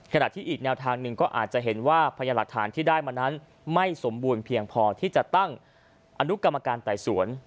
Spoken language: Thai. ขณะที่อีกแนวทางหนึ่งก็อาจจะเห็นว่าพยานหลักฐานที่ได้มานั้นไม่สมบูรณ์เพียงพอที่จะตั้งอนุกรรมการไต่สวน